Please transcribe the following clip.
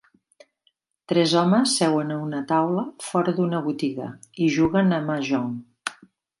Tres homes seuen a una taula fora d'una botiga i juguen a Mahjong.